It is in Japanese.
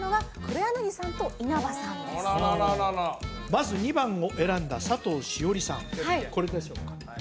まず２番を選んだ佐藤栞里さんはいこれでしょうか？